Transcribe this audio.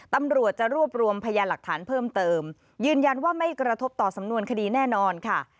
ตำรวจจะรวบรวมพยานหลักฐานเพิ่มเติมยืนยันว่าไม่กระทบต่อสำนวนคดีแน่นอนค่ะ